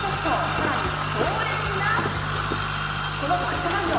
さらに、強烈なこのバックハンド。